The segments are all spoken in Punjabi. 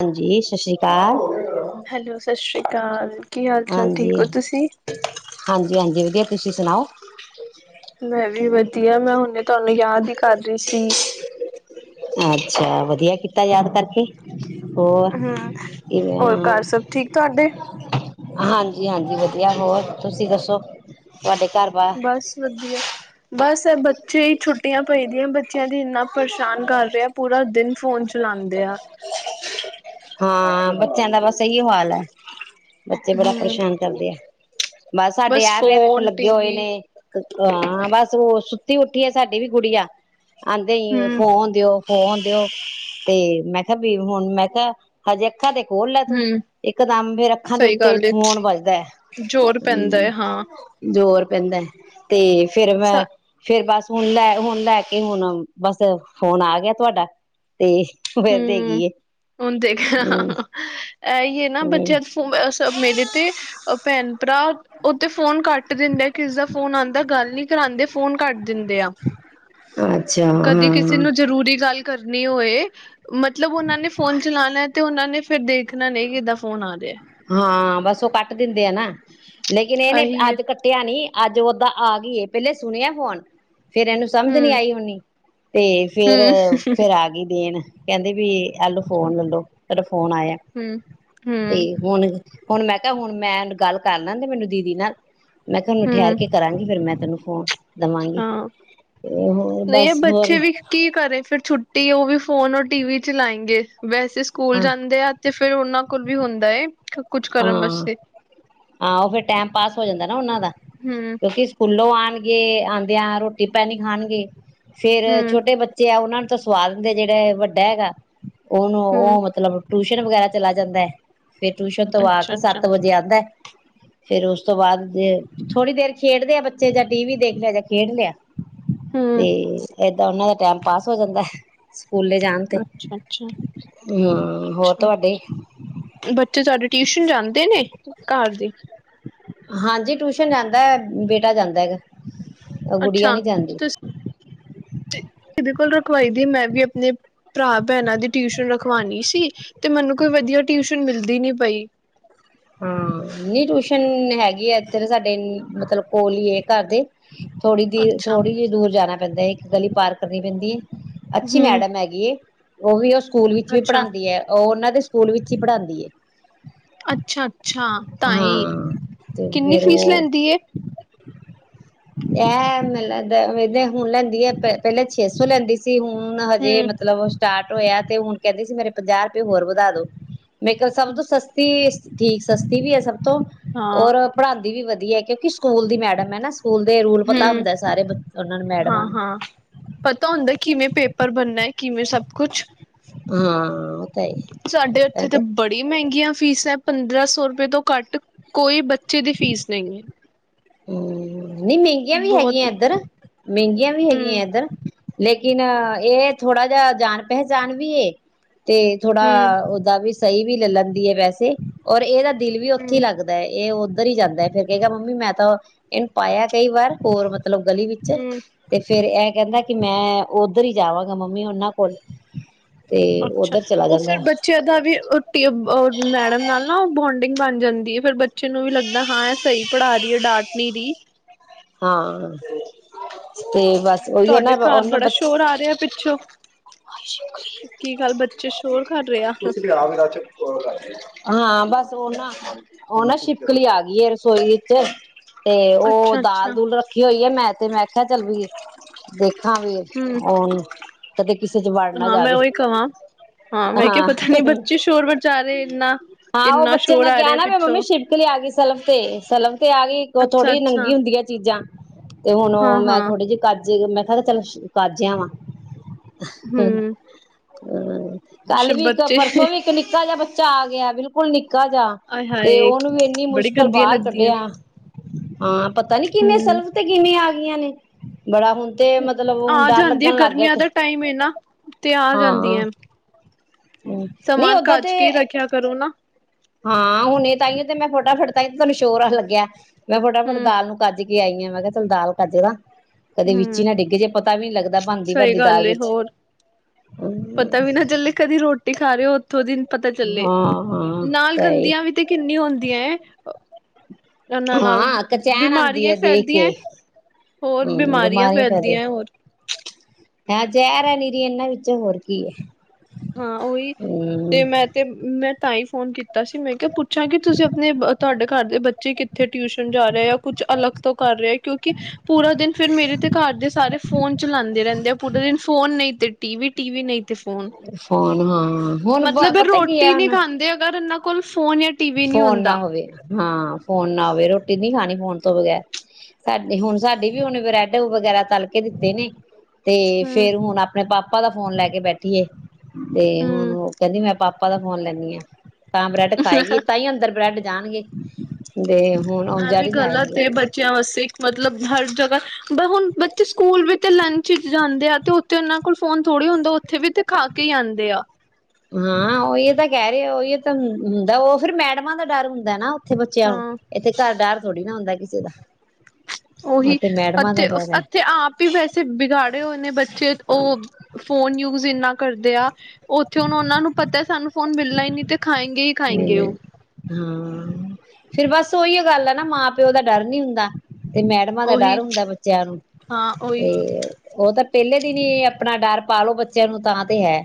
ਹਾਂਜੀ ਸਤਿ ਸ੍ਰੀ ਅਕਾਲ ਹੈਲੋ ਸਤਿ ਸ਼੍ਰੀ ਅਕਾਲ ਕੀ ਹਾਲ ਚਾਲ ਠੀਕ ਹੋ ਤੁਸੀਂ ਜੀ ਹਾਂਜੀ ਵਧੀਆ ਤੁਸੀਂ ਸੁਣਾਓ। ਮੈਂ ਵੀ ਵਧੀਆ। ਮੈਂ ਹੁਣੇੇ ਤੁਹਾਨੂੰ ਯਾਦ ਹੀ ਕਰ ਰਹੀ ਸੀ। ਅੱਛਾ ਵਧੀਆ ਕੀਤਾ ਯਾਦ ਕਰ ਕੇ ਹੋਰ ਹਮ ਕੀ ਹੋਰ ਘਰ ਸਭ ਠੀਕ ਤੁਹਾਡੇ? ਹਾਂਜੀ-ਹਾਂਜੀ ਵਧੀਆ ਹੋਰ ਤੁਸੀਂ ਦੱਸੋ। ਘਰ ਬਾਰ ਬਸ ਵਧੀਆ। ਬਸ ਇਹ ਬੱਚੇ ਹੀ ਛੁੱਟੀਆਂ ਪਈ ਦੀਆਂ ਬੱਚਿਆਂ ਦੀ ਇੰਨਾ ਪਰੇਸ਼ਾਨ ਕਰ ਰਿਹਾ ਪੂਰਾ ਦਿਨ ਫੋਨ ਚਲਾਦੇ ਆ। ਹਾਂ ਬੱਚਿਆਂ ਦਾ ਬਸ ਇਹੀ ਓ ਹਾਲ ਏ। ਬੱਚੇ ਬੜਾ ਹਮ ਪਰੇਸ਼ਾਨ ਕਰਦੇ ਐ ਬਸ ਸਾਡੇ ਆ ਪਿਆ ਵੇਖ ਫੋਨ ਲੱਗੇ ਹੋਏ ਟੀਵੀ ਨੇ ਹਾਂ ਬਸ ਓ ਸੁੱਤੀ ਉੱਠੀ ਐ ਸਾਡੀ ਵੀ ਗੁੜੀਆ ਆਂਦੇ ਈ ਹਮ ਫੋਨ ਦਿਓ। ਫੋਨ ਦਿਓ ਤੇ ਮੈਂ ਕਿਆ ਵੀ ਹੁਣ ਮੈਂ ਕਾ ਹਜੇ ਅੱਖਾਂ ਤੇ ਖੋਲ ਲਾ ਤੂੰ ਹਮ ਇਕਦਮ ਫੇਰ ਅੱਖਾਂ ਦੇ ਸਹੀ ਉੱਤੇ ਗੱਲ ਏ ਫੋਨ ਵਜਦਾ ਜ਼ੋਰ ਪੈਂਦਾ ਹੂੰ ਹੈ ਹਾਂ ਜ਼ੋਰ ਪੈਂਦਾ। ਤੇ ਫੇਰ ਮੈਂ ਫੇਰ ਬਸ- ਹੁਣ ਲੈ ਹੁਣ ਲੈ ਕੇ ਹੁਣ ਬਸ ਫੋਨ ਆ ਗਿਆ ਤੁਹਾਡਾ ਤੇ ਫਿਰ ਦੇ ਹਮ ਗੀ ਹੈ ਹੁਣ ਦੇਖ [unintelligible] ਐਹੀ ਐ ਨਾ ਬੱਚਿਆਂ [unintelligible] ਫੋਨ ਮੇਰੇ ਤੇ ਭੈਣ ਭਰਾ ਓਤੇ ਫੋਨ ਕੱਟ ਦਿੰਦੇ ਕਿਸੇ ਦਾ ਫੋਨ ਆਂਦਾ ਗੱਲ ਨੀ ਕਰਾਂਦੇ ਫੋਨ ਕੱਟ ਦਿੰਦੇ ਆ ਅੱਛਾ ਹਾਂ। ਨੀ ਹੋਏ ਮਤਲਬ ਉਨਾਂ ਨੇ ਫੋਨ ਚਲਾਣਾ ਤੇ ਓਨਾਂ ਨੇ ਫੇਰ ਦੇਖਣਾ ਨੀ ਕਿਦਾ ਫੋਨ ਆ ਰਿਆ ਹਾਂ ਬਸ ਓ ਕੱਟ ਦਿੰਦੇ ਆ ਨਾ ਲੇਕਿਨ ਏਨੇ ਇਹੀ ਹੈ ਅੱਜ ਕੱਟਿਆ ਨੀ ਅੱਜ ਓਦਾਂ ਆ ਗਈ ਏ ਪਹਿਲੇ ਸੁਣਿਆ ਫੋਨ ਫੇਰ ਏਨੂੰ ਸਮਝ ਨੀ ਹਮ ਆਈ ਹੋਣੀ। ਤੇ ਹਮ ਫੇਰ-ਫੇਰ ਆ ਗਈ ਦੇਣ ਕਹਿੰਦੇ ਵੀ। ਆਲੌ ਫੋਨ ਲੈਲੋ ਤੋੜਾ ਫੋਨ ਆਇਆ ਹਮ ਤੇ ਹਮ ਹੁਣ ਮੈਂ ਕਿਆ ਹੁਣ ਮੈਂਨ ਗੱਲ ਕਰ ਲਾਂਦੇ ਮੈਨੂੰ ਦੀਦੀ ਨਾਲ ਮੈਂ ਕਿਆ ਹੁਣ ਠੇਰ ਹਮ ਕੇ ਕਰਾਂਗੀ ਫੇਰ ਮੈਂ ਤੈਨੂੰ ਫੋਨ ਦੇਵਾਂਗੀ ਹਾਂ ਤੇ ਹੋਰ ਨਈ ਏ ਬਸ ਹੋਰ ਬੱਚੇ ਵੀ ਕੀ ਕਰੇ ਫਿਰ ਛੁੱਟੀ ਓ ਵੀ ਫੋਨ ਓਰ ਟੀ ਵੀ ਚਲਾਏਂ ਗੇ ਵੈਸੇ ਸਕੂਲ ਹਾਂ ਜਾਂਦੇ ਆ ਤੇ ਫਿਰ ਉਨਾਂ ਬਿਲਕੁੱਲ ਵੀ ਹੁੰਦਾ ਏ ਕੁਛ ਕਰਨ ਹਾਂ ਵਾਸਤੇ ਆਓ ਫੇਰ ਟੈਮ ਪਾਸ ਹੋ ਜਾਂਦਾ ਨਾ ਓਨਾਂ ਦਾ ਹੂੰ ਕਿਉਂਕਿ ਸਕੂਲੋਂ ਆਣ ਗੇ ਆਉਂਦਿਆਂ ਰੋਟੀ ਪਾਣੀ ਖਾਣਗੇ ਫੇਰ ਹੂੰ ਛੋਟੇ ਬੱਚੇ ਆ ਉਹਨਾਂ ਨੂੰ ਉਹ ਤਾਂ ਸਵਾਦ ਹੁੰਦੇ ਜਿਹੜਾ ਹੈ ਵੱਡਾ ਹੈਗਾ? ਉਹਨੂੰ ਹੂੰ ਉਹ ਮਤਲਬ। ਟਿਊਸ਼ਨ ਵਗੈਰਾ ਚਲਾ ਜਾਂਦਾ ਹੈ ਫੇਰ ਤੋਂ ਆ ਅੱਛਾ ਕੇ ਅੱਛਾ ਸੱਤ ਵਜੇ ਆਉਂਦਾ ਹੈ। ਫੇਰ ਉਸ ਤੋਂ ਬਾਅਦ ਜੇ ਥੋੜ੍ਹੀ ਦੇਰ ਖੇਡਦੇ ਆ ਬੱਚੇ ਜਾਂ ਟੀ ਵੀ ਦੇਖ ਲਿਆ ਜਾਂ ਖੇਡ ਲਿਆ। ਤੇ ਹੂੰ ਏਦਾਂ ਉਹਨਾਂ ਦਾ। ਟਾਈਮ ਪਾਸ ਹੋ ਜਾਂਦਾ ਹੈ? ਸਕੂਲੇ ਜਾਣ ਤੇ ਅੱਛਾ ਅੱਛਾ ਹੂੰ ਹੋਰ ਅੱਛਾ ਤੁਹਾਡੇ? ਬੱਚੇ ਤੁਹਾਡੇ ਟਿਊਸ਼ਨ ਜਾਂਦੇ ਨੇ ਘਰ ਦੇ? ਹਾਂਜੀ ਟਿਊਸ਼ਨ ਜਾਂਦਾ ਹੈ ਬੇਟਾ ਜਾਂਦਾ ਗਾ। ਇਹ ਗੁਡੀਆਂ ਨਹੀਂ ਜਾਂਦੀ। ਕਿਹਦੀ ਕੋਲ ਰਖਵਾਈ ਦੀ ਮੈਂ ਵੀ ਆਪਣੇ ਭਰਾ ਭੈਣਾਂ ਦੀ ਟਿਊਸ਼ਨ ਰਖਵਾਣੀ ਸੀ ਤੇ ਮੈਨੂੰ ਕੋਈ ਵਧੀਆ ਟਿਊਸ਼ਨ ਮਿਲਦੀ ਨੀ ਪਈ? ਹੂੰ ਨਹੀ ਟਿਊਸ਼ਨ ਹੈਗੀ ਆ ਇੱਧਰ ਸਾਡੇ ਮਤਲਬ ਕੋਲ ਹੀ ਹੈ ਘਰ ਦੇ? ਥੋੜ੍ਹੀ ਅੱਛਾ ਥੋੜ੍ਹੀ ਜਿਹੀ ਦੂਰ ਜਾਣਾ ਪੈਂਦਾ ਹੈ ਇੱਕ ਗਲੀ ਪਾਰ। ਕਰਨੀ ਪੈਂਦੀ ਹੈ। ਅੱਛੀ ਹੂੰ ਮੈਡਮ ਹੈਗੀ ਹੈ। ਉਹ ਵੀ ਉਸ? ਸਕੂਲ ਵਿੱਚ ਵੀ ਅੱਛਾ ਪੜ੍ਹਾਉਂਦੀ ਹੈ ਉਹ ਉਹਨਾਂ ਨੂੰ। ਉਹਨਾਂ ਦੇ ਸਕੂਲ ਵਿੱਚ ਹੀ ਪੜ੍ਹਾਂਦੀ ਹੈ? ਅੱਛਾ। ਅੱਛਾ ਅੱਛਾ ਤਾਂ ਹੀ ਹਾਂ ਤੇ ਕਿੰਨੀ ਫੇਰ ਫੀਸ ਉਹ ਲੈਂਦੀ ਹੈ? ਇਹ ਮੈਨੂੰ ਲੱਗਦਾ ਹੁਣ ਲੈਂਦੀ ਹੈ ਪਹਿਲਾਂ ਛੇ ਸੌ ਲੈਂਦੀ ਸੀ ਹੁਣ? ਹੁਣ ਹਜੇ ਹੂੰ ਮਤਲਬ। ਸਟਾਰਟ ਹੋਇਆ ਤੇ ਹੁਣ ਕਹਿੰਦੇ ਸੀ ਮੇਰੇ ਪੰਜਾਹ ਰੁਪਏ ਹੋਰ ਵਧਾ ਦੋ? ਮੇਕਲ ਸਭ ਤੋਂ ਸਸਤੀ? ਠੀਕ ਸਸਤੀ ਵੀ ਹੈ ਸਭ। ਤੋਂ ਹਾਂ। ਔਰ ਪੜ੍ਹਾਉਦੀ ਵੀ ਵਧੀਆ। ਦੀ ਹੈ ਕਿਉਂਕਿ ਸਕੂਲ ਦੀ ਮੈਡਮ ਹੈ ਨਾ। ਰੂਲ ਪਤਾ ਹੂੰ ਹੁੰਦਾ ਸਾਰੇ ਉਹਨਾਂ ਨੂੰ ਮੈਡਮਾਂ ਹਾਂ ਨੂੰ ਹਾਂ ਪਤਾ ਹੁੰਦਾ ਕਿਵੇਂ ਪੇਪਰ ਬਣਨਾ ਹੈ? ਕਿਵੇਂ ਸਭ ਕੁਛ? ਹਾਂ। ਤਾਂ ਹੈ ਇਹ ਸਾਡੇ ਉੱਥੇ ਤੇ ਬੜੀ ਮਹਿੰਗੀਆਂ। ਫੀਸ ਹੈ ਪੰਦਰਾਂ ਸੌ ਰੁਪਏ ਤੋਂ ਘੱਟ ਕੋਈ ਬੱਚੇ ਦੀ ਫੀਸ ਨਹੀਂ ਹੈ? ਹੂੰ ਨਹੀਂ ਮਹਿੰਗੀਆਂ ਵੀ ਬਹੁਤ ਹੈਗੀਆਂ ਇੱਧਰ ਮਹਿੰਗੀਆਂ ਵੀ ਹੂੰ-ਹੂੰ। ਹੈਗੀਆਂ ਇੱਧਰ। ਲੇਕਿਨ ਏ ਥੋੜਾ ਜਾ ਜਾਣ ਪਹਿਚਾਣ ਵੀ ਏ। ਤੇ ਹੂੰ ਥੋੜਾ ਦਾ ਵੀ ਸਹੀ ਵੀ ਲੱਲ ਲੈਂਦੀ ਏ, ਵੈਸੇ। ਔਰ ਏਦਾ ਦਿਲ ਵੀ ਔਥੇ ਈ ਹੂੰ, ਲੱਗਦਾ ਏ, ਏ ਔ ਔਧਰ ਈ ਜਾਂਦੈ, ਫੇਰ ਕਹੇਗਾ ਮੰਮੀ ਮੈਂ ਤਾਂ ਏਨੂੰ ਪਾਯੈ ਕਈ ਵਾਰ ਹੋਰ ਮਤਲਬ ਗਲੀ ਵਿੱਚ ਹੂੰ। ਤੇ ਫੇਰ ਐ ਕੈੰਦਾ ਕਿ ਮੈਂ ਔਧਰ ਹੀ ਜਾਵਾਂਗਾ ਮੰਮੀ ਔਨਾਂ ਕੋਲ। ਤੇ ਅੱਛਾ, ਉੱਧਰ ਚਲਾ ਔ ਫਿਰ ਜਾਂਦਾ ਬੱਚਿਆਂ ਦਾ ਵੀ ਆ ਟਯੁ ਬ ਮੈਡਮ ਨਾਲ ਨਾ ਬੋਂਡਿੰਗ ਬਣ ਜਾਂਦੀ ਏ, ਫੇਰ ਬੱਚੇ ਨੂੰ ਵੀ ਲੱਗਦਾ ਹਾਂ ਐ ਸਹੀ ਪੜ੍ਹਾ ਰੀ ਏ ਡਾਟ ਨ੍ਹੀਂ ਰੀ। ਹਾਂ। ਤੇ ਬਸ ਔਹੀਔ ਨਾ ਤੁਹਾਡੇ ਰੋ ਓਹ ਘਰ ਨਾ ਬੜਾ ਬਚ ਸ਼ੋਰ ਆ ਰਿਹਾ ਪਿੱਛੋਂ ਕੀ ਗੱਲ ਬੱਚੇ ਸ਼ੋਰ ਕਰ ਰਹੇ ਆ। ਹਾਂ, ਬਸ ਔ ਨਾ ਉਹ ਨਾ ਸ਼ਿਪਕਲੀ ਆ ਗੀ ਏ ਰਸੋਈ ਵਿੱਚ। ਤੇ ਔ ਅੱਛਾ-ਅੱਛਾ ਦਾਲ ਦੂਲ ਰੱਖੀ ਹੋਈ। ਯਾ ਮੈਂ ਤੇ ਮੈਂ ਕਿਆ ਚੱਲ ਵੀ ਦੇਖ ਹਾਂ, ਵੀ ਏ ਹੂੰ ਔਨ ਤਦੇ ਕਿਸੇ ਚ ਵੜ ਨਾ ਹਾਂ ਮੈਂ ਜਾਵੇ, ਉਹੀ ਕਵਾਂ ਮੈਂ ਕਿਹਾ ਹਾਂ ਪਤਾ ਨੀ ਬੱਚੇ ਸ਼ੋਰ ਮਚਾ ਰਹੇ ਇੰਨਾ ਹਾਂ ਔ ਇੰਨਾ ਬੱਚੇ ਸ਼ੋਰ ਨੇ ਆ ਕਿਆ ਰਿਹਾ ਨਾ ਬਈ ਮੰਮੀ ਪਿੱਛੋਂ ਸ਼ਿਪਕਲੀ ਆ ਗੀ ਸਲਫ ਤੇ, ਸਲਫ ਤੇ ਆ ਗੀ ਅੱਛਾ ਥੋੜ੍ਹੀ ਅੱਛਾ ਨੰਗੀ ਹੁੰਦੀਐ ਚੀਜ਼ਾਂ‌। ਤੇ ਹੁਣ ਔ ਹਾਂ ਮੈਂ ਹਾਂ ਥੋੜੇ ਜੇ ਕੱਜ ਜੇ, ਮੈਂ ਕਿਹਾ ਤੇ ਚੱਲ ਸ਼ ਕੱਜ ਆਵਾ। ਹੂੰ, ਹਮ ਅ ਕੱਲ ਵੀ ਇੱਕ ਬੱਚੇ ਪਰਸੋਂ ਵੀ ਇੱਕ ਨਿੱਕਾ ਜਾ ਬੱਚ ਚਾ ਆ ਗਿਆ ਬਿਲਕੁਲ ਨਿੱਕ ਕਾ ਜਾ ਆਏ ਤੇ ਹਾਏ ਔਨੂੰ ਵੀ ਏਨੀ ਬੜੀ ਮੁਸ਼ਕਲ ਗੰਦੀਆਂ ਬਾਰ ਲੱਗਦੀਆਂ ਕੱਢਿਆ। ਹਾਂ, ਪਤਾ ਨੀ ਕਿੰਨੇ ਹਮ ਸਲਫ ਤੇ ਕਿਵੇਂ ਆ ਨੀਆਂ ਨੇ। ਬੜਾ ਹੁਣ ਤੇ ਮਤਲਬ ਹੁਣ ਡੱਰ ਲੱਗਣ ਲੱਗ ਗਿਆ। ਤ ਈਮ ਏਨਾ ਤੇ ਆ ਜਾਂਦੀਐਂ। ਨਹੀਂ ਸਮਾਨ ਓਦਾਂ ਤੇ ਕੱਜ ਕੇ ਰੱਖਿਆ ਕਰੋ ਨਾ। ਹਾਂ, ਹੁਣੇ ਤਾਈਔ ਤੇ ਮੈਂ ਫੋਟਾ ਫਟ ਤਈ ਤੇ ਤੁਹਾਨੂੰ ਸੋ਼ਰ ਆਣ ਲੱਗਿਆ। ਮੈਂ ਫਟਾਫਟ ਹਮ ਦਾਲ ਨੂੰ ਕੱਜ ਕੇ ਆਈ ਆ ਮੈਂ ਕੈ ਚਲ ਦਾਲ ਕੱਜ ਦਾ। ਕਦੇ ਵਿੱਚ ਹੀ ਹੂੰ ਨਾ ਡਿੱਗ ਜੇ ਪਤਾ ਵੀ ਨੀ ਲੱਗਦਾ ਬਣਦੀ ਸਹੀ ਬਣਦੀ ਦਾਲ ਗੱਲ ਏ, ਵਿੱਚ ਹੋਰ ਪਤਾ ਵੀ ਨਾ ਚੱਲੇ ਕਦੀ ਰੋਟੀ ਖਾ ਰੇ ਔ ਥੋੜੇ ਦਿਨ ਪਤਾ ਚੱਲੇ ਹਾਂ ਹਾਂ ਨਾਲ ਸਹੀ ਗੰਦੀਆਂ ਵੀ ਤੇ ਕਿੰਨੀ ਹੁੰਦੀਆਂ। ਉਹਨਾਂ ਨਾਲ ਹਾਂ ਕਚੈਨ ਆਉਂਦੀ ਬਿਮਾਰੀਆਂ ਹੈ ਦੇਖ ਫੈਲਦੀਆਂ ਕੇ। ਹੋਰ ਹਮ ਬਿਮਾਰੀਆਂ ਫੈਲਦੀਆਂ ਹੋਰ। ਹਾਂ ਜ਼ਹਿਰ ਹੈ ਨੀਰੀ ਇਹਨਾਂ ਵਿੱਚੋਂ ਹੋਰ ਕੀ ਹੈ। ਹਾਂ ਉਹੀ ਤੇ ਹਮ ਮੈਂ ਤੇ ਮੈਂ ਤਾਂ ਹੀ ਫੋਨ ਕੀਤਾ। ਕੀਤਾ ਸੀ ਮੈਂ ਕਿਹਾ ਪੁੱਛਾਂ ਕਿ ਤੁਸੀਂ ਆਪਣੇ ਤੁਹਾਡੇ ਘਰ ਦੇ ਬੱਚੇ ਕਿੱਥੇ ਟਿਊਸ਼ਨ ਜਾ ਰਹੇ ਆ ਕੁੱਝ ਅਲੱਗ ਤੋਂ ਕਰ ਰਹੇ ਕਿਉਂਕਿ ਕਿ ਪੂਰਾ ਦਿਨ ਫੇਰ ਮੇਰੇ ਤੇ ਘਰ ਦੇ ਸਾਰੇ ਫੋਨ ਚਲਾਉਂਦੇ ਰਹਿੰਦੇ ਆ ਪੂਰਾ ਦਿਨ ਫੋਨ ਨਹੀਂ ਤੇ ਟੀ ਵੀ ਟੀ ਵੀ ਨਹੀਂ ਤੇ ਫੋਨ ਹੁਣ ਹਾਂ ਹੁਣ ਮਤਲਬ ਇਹ ਪਤਾ ਕੀ ਹੈ ਰੋਟੀ ਨਹੀਂ ਹੁਣ ਖਾਂਦੇ ਅਗਰ ਇਹਨਾਂ ਕੋਲ ਫੋਨ ਜਾਂ ਟੀ ਵੀ ਨਹੀਂ ਫੋਨ ਹੁੰਦਾ। ਨਾ ਹੋਵੇ ਹਾਂ ਫੋਨ ਨਾ ਆਵੇ ਰੋਟੀ ਨੀ ਖਾਣੀ ਫੋਨ ਤੋਂ ਬਗ਼ੈਰ ਸਾ ਹੁਣ ਸਾਡੀ ਵੀ ਹੁਨ ਬ੍ਰੈਡ ਵਗੈਰਾ ਤਲ ਕੇ ਦਿੱਤੇ ਨੇ। ਤੇ ਹਮ ਫੇਰ ਹੁਣ ਆਪਣੇ ਪਾਪਾ ਆਪਾਂ ਦਾ ਫੋਨ ਲੈ ਕੇ ਬੈਠੀਏ ਤੇ ਹੁਣ ਹਮ ਉਹ ਕਹਿੰਦੀ ਮੈਂ ਪਾਪਾ ਪਾਪਾਂ ਦਾ ਫੋਨ ਲੈਂਦੀ ਹਾਂ। ਤਾਂ ਬਰੈਡ ਖਾਏਗੀ ਬ੍ਰੈਡ ਜਾਣਗੇ। ਤੇ ਹੁਣ ਆਉਣ ਆ ਜਾ ਵੀ ਹੀ ਗਲਤ ਜਾਏਗੇ ਹੈ ਬੱਚਿਆਂ ਵਾਸਤੇ ਮਤਲਬ ਹਰ ਜਗ੍ਹਾ ਬ ਹੁਣ ਬੱਚੇ ਸਕੂਲ ਵੀ ਤੇ ਲੰਚ ਵਿਚ ਜਾਂਦੇ ਆ ਤੇ ਉੱਥੇ ਉਹਨਾਂ ਕੋਲ ਫੋਨ ਥੋੜ੍ਹੇ ਹੁੰਦਾ ਉੱਥੇ ਵੀ ਤੇ ਖਾ ਕੇ ਹੀ ਆਉਂਦੇ ਆ। ਹਾਂ ਉਹੀ ਤਾਂ ਕਹਿ ਰਹੇ ਉਹੀ ਤਾਂ ਹੁੰਦਾ ਉਹ ਫਿਰ ਮੈਡਮਾਂ ਦਾ ਡਰ ਹੁੰਦਾ ਨਾ। ਇਥੇ ਬੱਚਿਆਂ ਨੂੰ ਹਾਂ ਇੱਥੇ ਘਰ ਡਰ ਥੋੜੀ ਨਾ ਹੁੰਦਾ ਕਿਸੇ ਦਾ। ਉਹ ਉਹੀ ਤੇ ਮੈਡਮਾਂ ਦਾ ਅਤੇਥ ਡਰ ਹੈ ਅਤੇੱਥੇ ਆਪ ਹੀ ਵੈਸੇ ਬਿਗਾੜ ੜੇ ਹੋਏ ਨੇ ਬੱਚੇ ਉਹ ਫੋਨ ਯੂਜ ਇੰਨਾ ਕਰਦੇ ਆ ਉੱਥੇ ਹੁਣ ਉਹਨਾਂ ਨੂੰ ਪਤਾ ਸਾਨੂੰ ਫੋਨ ਮਿਲਣਾ ਹੀ ਨੀ ਤੇ ਖਾਏਗੇ ਹੀ ਖਾਏਗੇ ਮੈਨ ਉਹ। ਹਾਂ ਫੇਰ ਬਸ ਉਓਹੀ ਗੱਲ ਆ ਨਾ ਮਾਂ ਪਿਓ ਦਾ ਡਰ ਨੀ ਹੁੰਦਾ ਤੇ ਮੈਡਮਾਂ ਦਾ ਉਹੀ ਡਰ ਹੁੰਦਾ ਬੱਚਿਆਂ ਨੂੰ ਹਾਂ ਉਹੀ ਤੇ ਉਹ ਤਾਂ ਪਹਿਲੇ ਦਿਨ ਏ ਆਪਣਾ ਡਰ ਪਾਲੋ ਬੱਚਿਆਂ ਨੂੰ ਤਾਂ ਤੇ ਹੈ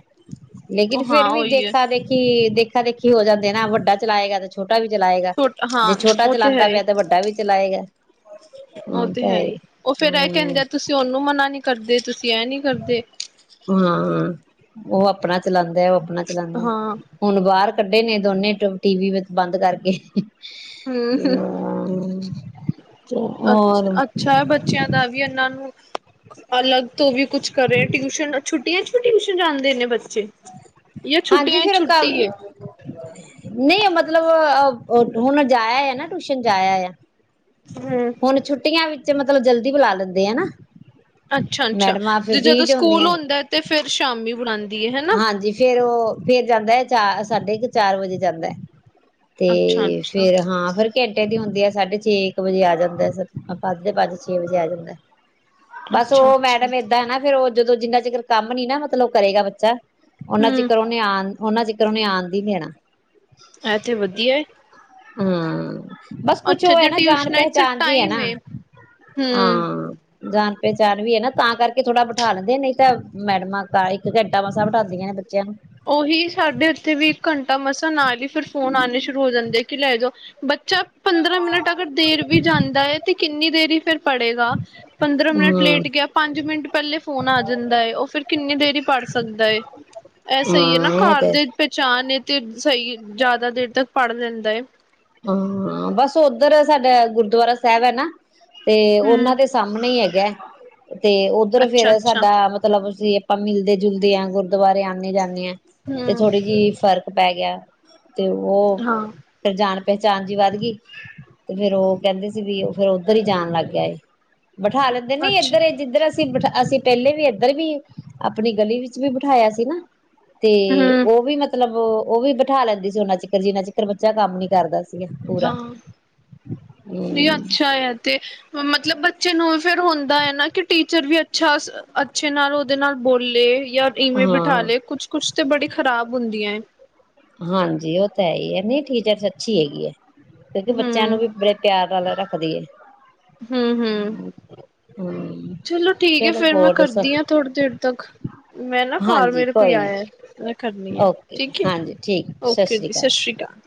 ਲੇਕਿਨ ਉਹ ਹਾਂ ਫੇਰ ਵੀ ਉਹੀ ਹੈ ਦੇਖਾ ਦੇਖੀ ਦੇਖ ਦੇਖੀ ਹੋ ਜਾਂਦੇ ਨਾ ਵੱਡਾ ਚਲਾਏਗਾ ਤੇ ਛੋਟਾ ਛੋਟਾ ਵੀ ਚਲਾਏਗਾ ਛੋਟਾ ਜੇ ਹਾਂ ਛੋਟਾ ਉਹ ਤੇ ਚਲਾਦਾ ਹੈ ਹੀ ਪਿਆ ਤਾਂ ਵੱਡਾ ਵੀ ਚਲਾਏਗਾ ਉਹ ਹਾਂ ਤੇ ਤਾਂ ਹੈ ਹੀ ਉਹ ਫੇਰ ਇਹ ਕਹਿੰਦੇ ਹਮ ਆ ਤੁਸੀਂ ਉਹਨੂੰ ਮਨਾ ਨਹੀਂ ਕਰਦੇ ਤੁਸੀਂ ਇਹ ਨਹੀਂ ਕਰਦੇ ਹਾਂ ਉਹ ਆਪਣਾ ਚਲਾਦਾ ਉਹ ਆਪਣਾ ਚਲਾਉਦਾ ਹਾਂ ਹੁਣ ਬਾਹਰ ਕੱਢੇ ਨੇ ਦੋਨੇ ਟ ਟੀ ਵੀ ਵਿੱਚ ਬੰਦ ਕਰਕੇ ਹੂੰ, ਹੂੰ ਅ ਹੋਰ ਅੱਛਾ ਬੱਚਿਆਂ ਦਾ ਵੀ ਇਹਨਾਂ ਨੂੰ ਅਲੱਗ ਤੋਂ ਵੀ ਕੁਛ ਕਰੇ ਟਿਊਸ਼ਨ ਛੁੱਟੀਆਂ ਚ ਟਿਊਸ਼ਨ ਜਾਂਦੇ ਨੇ ਬੱਚੇ ਜਾਂ ਹਾਂਜੀ ਛੁੱਟੀਆਂ ਫਿਰ ਕ ਛੁੱਟੀ ਹੈ ਨਹੀਂ ਮਤਲਬ ਅ ਉਹ ਹੁਣ ਜਾਇਆ ਆਇਆ ਨਾ ਟਿਊਸ਼ਨ ਜਾਇਆ ਆਇਆ ਹਮ ਹੁਣ ਛੁੱਟੀਆਂ ਵਿ ਚ ਮਤਲਬ ਜਲਦੀ ਬੁਲਾ ਲੈਂਦੇ ਆ ਨਾ ਅੱਛਾ ਅੱਛਾ ਮੈਡਮਾਂ ਫਿਰ ਜੇ ਫ੍ਰਰੀ ਜਦੋਂ ਚ ਸਕੂਲ ਹੁੰਦੀਆਂ ਹੁੰਦਾ ਤੇ ਫੇਰ ਸ਼ਾਮੀ ਬੁਲਾਦੀ ਹਾਂਜੀ ਫੇਰ ਉਹ ਫੇਰ ਜਾਂਦਾ ਹੈ ਚਾਰ ਸਾਢੇ ਕ ਚਾਰ ਵਜੇ ਜਾਂਦਾ ਏ ਤੇ ਅੱਛਾ-ਅੱਛਾ, ਫੇਰ ਹਾਂ ਫੇਰ ਘੰਟੇ ਦੀ ਹੁੰਦੀ ਆ ਸਾਢੇ ਛੇ ਇੱਕ ਵਜੇ ਆ ਜਾਂਦਾ ਪ ਪੰਜ ਦੇ ਪੰਜ ਛੇ ਵਜੇ ਆ ਜਾਂਦਾ ਬਸ ਉਹ ਅੱਛਾ-ਅੱਛਾ ਮੈਡਮ ਏਦਾਂ ਹੈ ਨਾ ਫੇਰ ਉਹ ਜਦੋਂ ਜਿੰਨਾ ਚਿਰ ਕੰਮ ਨੀ ਨਾ ਮਤਲਬ ਕਰੇਗਾ ਬੱ [unintelligible] ਉਹਨਾਂ ਹੂੰ ਚਿਕਰ ਉਹਨੇ ਆਣ ਉਹਨਾ ਚਿਕਰ ਉਹਨੇ ਆਣ ਨੀ ਦੇਣਾ ਐਥੇ ਵਧੀਆ ਏ ਹੂੰ ਬਸ ਕੁਛ ਉੱਥੇ ਉਹ ਹੈ ਤੇ ਨਾ ਜਾਣ ਟਿਊਸ਼ਨਾਂ ਚ ਸਿਰਫ ਪਹਿਚਾਣ ਜੀ ਏ ਨਾ ਟਾਈਮ ਆ ਹੂੰ। ਜਾਣ ਪਹਿਚਣ ਵੀ ਹੈ ਨਾ ਤਾਂ ਕਰਕੇ ਥੋੜਾ ਬਿਠਾ ਲੈਂਦੇ ਨਹੀਂ ਤਾਂ ਮੈਡਮਾਂ ਕਾਲੀ ਇੱਕ ਘੰਟੇ ਮਸਾਂ ਬਠਾਉਦੀਆਂ ਨੇ ਬੱਚਿਆਂ ਨੂੰ ਉਹੀ ਸਾਡੇ ਉੱਥੇ ਵੀ ਇੱਕ ਘੰਟਾ ਮਸਾਂ ਨਾਲ ਹੀ ਫਿਰ ਫੋਨ ਆਣੇ ਸ਼ੁਰੂ ਹੋ ਜਾਂਦੇ ਆ ਕਿ ਲੈ ਜਾਓ ਬੱ ਚਲ ਪੰਦਰਾਂ ਮਿੰਟ ਅਗਰ ਦੇਰ ਵੀ ਜਾਂਦਾ ਹੈ ਤੇ ਕਿੰਨੀ ਦੇਰੀ ਫਿਰ ਪੜ੍ਹੇਗਾ ਪੰਦਰਾਂ ਮਿੰਟ ਹਮ ਲੇਟ ਗਿਆ ਪੰਜ ਮਿੰਟ ਪਹਿਲੇ ਫੋਨ ਆ ਜਾਂਦਾ ਹੈ ਉਹ ਫਿਰ ਕਿੰਨੀ ਦੇਰ ਪੜ ਸਕਦਾ ਹੈ। ਇਹ ਸਹੀ ਹੈ ਨਾ ਹਾਂ ਉਹ ਘਰ ਤੇ ਦੇ ਪਹਿਚਾਣ? ਨੇ ਤੇ ਸਹੀ ਹੈ ਜ਼ਿਆਦਾ ਦੇਰ ਤੱਕ ਪੜ੍ਹ ਲੈਂਦਾ ਹੈ? ਹਾਂ ਬਸ ਉਧਰ ਸਾਡਾ ਗੁਰਦੁਆਰਾ ਸਾਹਿਬ ਹੈ ਨਾ? ਤੇ ਹੂੰ, ਉਹਨਾਂ ਦੇ ਸਾਹਮਣੇ ਹੀ। ਹੈਗਾ। ਤੇ ਉੱਧਰ ਫੇਰ ਅੱਛਾ-ਅੱਛਾ, ਸਾਡਾ ਮਤਲਬ ਅਸੀਂ। ਆਪਾਂ ਮਿਲਦੇ ਜੁਲਦੇ ਆ। ਗੁਰਦੁਆਰੇ ਆਉਣੇ ਜਾਣੇ ਹਾ ਤੇ ਹੂੰ, ਥੋੜੀ ਜਿਹੀ ਫਰਕ? ਪੈ ਗਿਆ? ਤੇ ਉਹ ਹਾਂ ਫਿਰ ਜਾਣ। ਪਹਿਚਾਣ ਜੀ ਵੱਧ ਗਈ ਤੇ ਫੇਰ ਉਹ ਕਹਿੰਦੇ ਸੀ ਵੀ ਉਹ ਫੇਰ ਉਧਰ ਹੀ ਜਾਣ ਲੱਗ ਗਿਆ ਏ। ਬਿਠਾ ਲੈਂਦੇ ਨੇ ਨਹੀਂ ਅੱਛਾ, ਇੱਧਰ ਏਂ ਜਿੱਧਰ ਅਸੀਂ। ਅਸੀਂ ਪਹਿਲੇ ਵੀ ਇੱਧਰ ਵੀ ਆਪਣੀ ਗਲੀ ਵਿੱਚ ਵੀ ਬਿਠਾਇਆ ਸੀ ਨਾ? ਤੇ ਹੂੰ, ਉਹ ਵੀ ਮਤਲਬ। ਉਹ ਵੀ ਬਿਠਾ ਲੈਂਦੀ ਸੀ ਉਹਨਾ ਚਿਕਰ ਜਿਨਾ ਚਿਕਰ ਬੱਚਾ ਕੰਮ ਨੀ? ਕਰਦਾ ਸੀ? ਹਾਂ ਨਹੀਂ ਹੂੰ ਅੱਛਾ ਇਹ ਤੇ। ਮਤਲਬ ਬੱਚੇ ਨੂੰ ਫੇਰ ਹੁੰਦਾ ਹੈ ਨਾ ਕਿ ਟੀਚਰ ਵੀ ਅੱਛਾ ਅੱਛੇ ਨਾਲ ਉਹਦੇ ਨਾਲ ਬੋਲੇ। ਜਾਂ ਈ ਮੇਲ ਬਿਠਾ ਹਾਂ ਲੇ ਕੁਛ ਕੁਛ। ਨਹੀਂ ਤੇ ਬੜੀ ਖਰਾਬ ਹੁੰਦੀਆਂ ਏ। ਹਾਂਜੀ ਉਹ ਤਾਂ ਹੈ ਹੀ ਹੈ ਨਹੀਂ ਟੀਚਰ ਅੱਛੀ ਹੈਗੀ ਹੈ। ਕਿਉਂਕਿ ਬੱਚਿਆਂ ਨੂੰ ਵੀ ਬੜੇ ਪਿਆਰ ਨਾਲ ਰੱਖ? ਰੱਖਦੀ ਹੈ। ਹੂੰ ਹੂੰ ਹੂੰ। ਚਲੋ ਠੀਕ ਹੈ ਫੇਰ ਮੈਂ ਹੋਰ ਦੱਸੋ ਕਰਦੀ ਹਾਂ ਥੋੜੀ ਦੇਰ ਤੱਕ ਮੈਂ ਨਾ ਕਾਰ ਹਾਂਜੀ ਮੇਰੇ ਕੋਈ ਨੀ ਆਇਆ ਮੈਂ ਕਰਨੀ ਹਾਂ ਓਕੇ ਠੀਕ ਹੈ। ਹਾਂਜੀ ਠੀਕ ਓਕੇ ਸ਼੍ਰੀ ਜੀ ਸਤਿ ਸ੍ਰੀ ਅਕਾਲ।